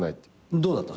どうだった？